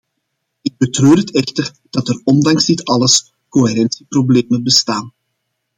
Ik betreur het echter dat er ondanks dit alles coherentieproblemen bestaan.